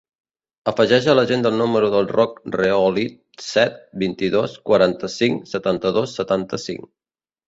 Afegeix a l'agenda el número del Roc Reolid: set, vint-i-dos, quaranta-cinc, setanta-dos, setanta-cinc.